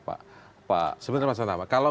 pak pak sebenarnya pasal nama kalau